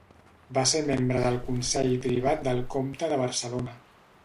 Va ser membre del consell privat del comte de Barcelona.